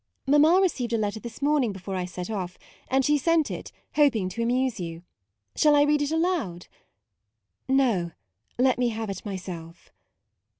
"" Mamma received a letter this io8 MAUDE morning before I set off; and she sent it, hoping to amuse you. Shall I read it aloud ?"" No, let me have it myself."